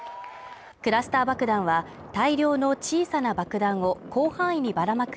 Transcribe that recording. クラスター爆弾は大量の小さな爆弾を広範囲にばら撒く